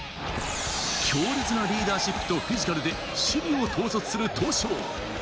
強烈なリーダーシップとフィジカルで守備を統率する闘将。